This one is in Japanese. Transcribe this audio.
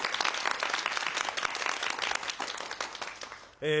え